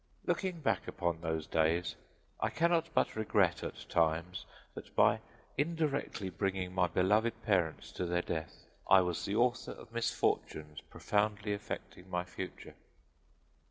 Looking back upon those days, I cannot but regret, at times, that by indirectly bringing my beloved parents to their death I was the author of misfortunes profoundly affecting my future.